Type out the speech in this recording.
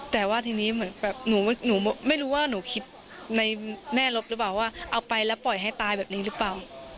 แต่ว่าทีนี้เหมือนแบบหนูไม่รู้ว่าหนูคิดในแง่ลบหรือเปล่าว่าเอาไปแล้วปล่อยให้ตายแบบนี้หรือเปล่า